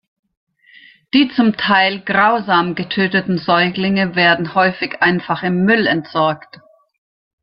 Die zum Teil grausam getöteten Säuglinge werden häufig einfach im Müll entsorgt.